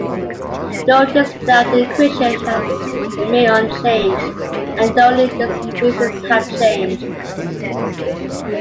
Notice that the equation has remained unchanged and only the spaces have changed.